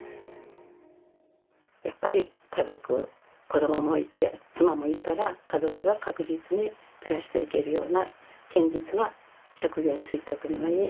やっぱり家族子供もいて妻もいたら家族が確実に暮らしていけるような堅実な職業に就いておくのがいい。